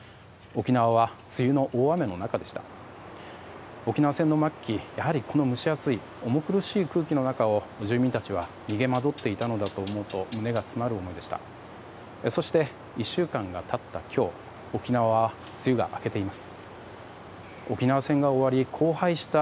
沖縄戦の末期、やはりこの蒸し暑い重苦しい空気の中を住民たちは逃げまどっていたのだと思うと胸が詰まる思いでした。